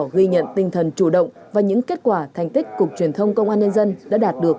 ghi nhận tinh thần chủ động và những kết quả thành tích cục truyền thông công an nhân dân đã đạt được